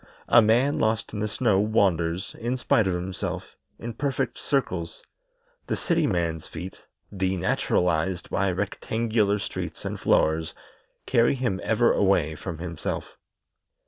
A man lost in the snow wanders, in spite of himself, in perfect circles; the city man's feet, denaturalized by rectangular streets and floors, carry him ever away from himself.